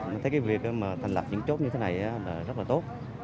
nên thấy cái việc mà thành lập những chốt như thế này là rất là tốt